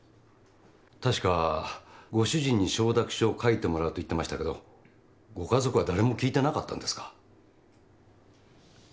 確かご主人に承諾書を書いてもらうと言ってましたけどご家族は誰も聞いてなかったんですか？